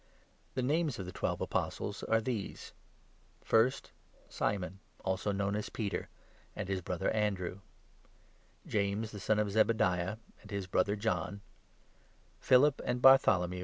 The names of the twelve Apostles are these : 2 First Simon, also known as Peter, and his brother Andrew ; James the son of Zebediah, and his brother John ; Philip and Bartholomew ; 3 86 Num.